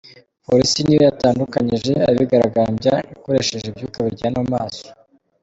Polisi niyo yatandukanyije abigaragambya, ikoreshe ibyuka biryana mu maso.